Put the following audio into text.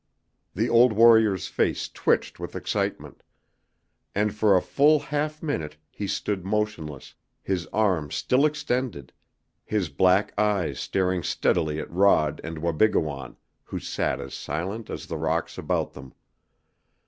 The old warrior's face twitched with excitement, and for a full half minute he stood motionless, his arm still extended, his black eyes staring steadily at Rod and Wabigoon who sat as silent as the rocks about them.